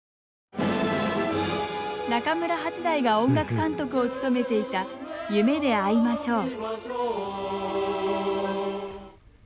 中村八大が音楽監督を務めていた「夢であいましょう」